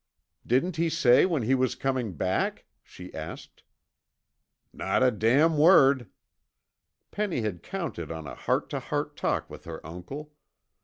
"Didn't he say when he was coming back?" she asked. "Not a damn word." Penny had counted on a heart to heart talk with her uncle.